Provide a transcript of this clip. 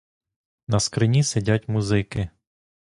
На скрині сидять музики.